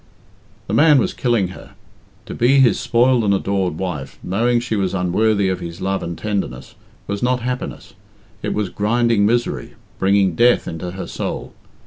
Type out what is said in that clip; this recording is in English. The man was killing her. To be his spoiled and adored wife, knowing she was unworthy of his love and tenderness, was not happiness it was grinding misery, bringing death into her soul.